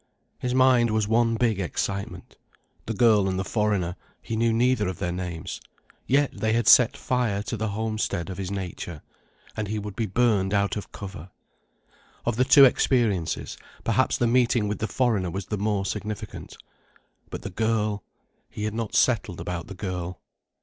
His mind was one big excitement. The girl and the foreigner: he knew neither of their names. Yet they had set fire to the homestead of his nature, and he would be burned out of cover. Of the two experiences, perhaps the meeting with the foreigner was the more significant. But the girl—he had not settled about the girl.